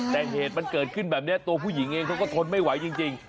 แต่เหตุมันเกิดขึ้นแบบนี้ตัวผู้หญิงเองเขาก็ทนไม่ไหวจริง